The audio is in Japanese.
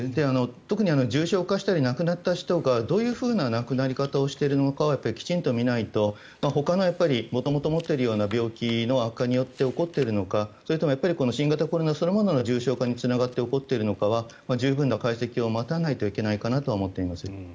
特に重症化したり亡くなった人がどういう亡くなり方をしているのかをきちんと見ないとほかの元々、持ってるような病気の悪化によって起こっているのかそれとも新型コロナそのものの重症化につながって起こっているのかは十分な解析を待たないといけないかなとは思っています。